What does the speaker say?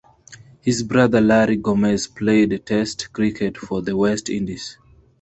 His brother Larry Gomes played Test cricket for the West Indies.